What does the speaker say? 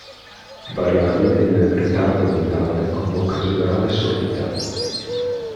Variabile il ritardo mentale con occasionale sordità.